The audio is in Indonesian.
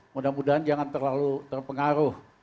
mudah mudahan jangan terlalu terpengaruh